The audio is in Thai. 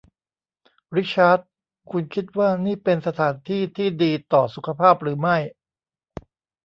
ริชาร์ดคุณคิดว่านี่เป็นสถานที่ที่ดีต่อสุขภาพหรือไม่ ?